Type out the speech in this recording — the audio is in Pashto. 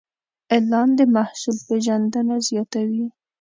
اعلان د محصول پیژندنه زیاتوي.